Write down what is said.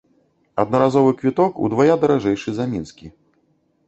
Аднаразовы квіток удвая даражэйшы за мінскі.